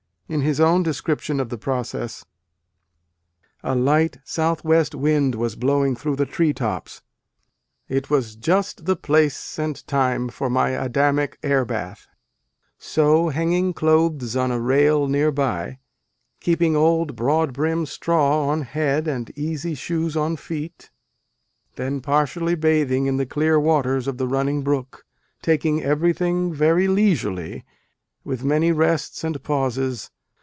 In his own description of the process : "A light south west wind was blowing through the tree tops. It was just the place and time for my Adamic air bath So, hanging clothes on a rail near by, keeping old broadbrim straw on head and easy shoes on feet A DAY WITH WALT WHITMAN. then partially bathing in the clear waters of the running brook taking everything very leisurely, with many rests and pauses